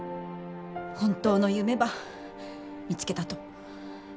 本当の夢ば見つけたと。